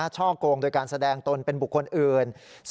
ช่อกงโดยการแสดงตนเป็นบุคคลอื่น